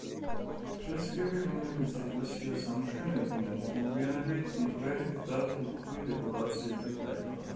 ფრესკები რომელიც ეკლესიას ამშვენებდნენ მოგვიანებით მტვერით და თურქული დეკორაციებით დაიფარა.